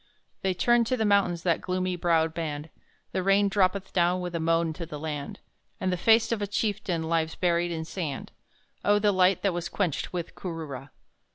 They turn to the mountains, that gloomy browed band; The rain droppeth down with a moan to the land, And the face of a chieftain lies buried in sand Oh, the light that was quenched with Kooroora!